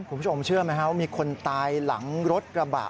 คุณผู้ชมเชื่อไหมครับมีคนตายหลังรถกระบะ